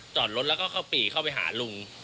จอดรถแล้วก็เข้าปี่เข้าไปหาลุง